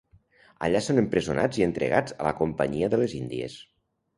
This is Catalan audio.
Allà són empresonats i entregats a la companyia de les índies.